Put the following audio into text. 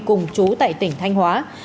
cùng trú tại tỉnh thanh hóa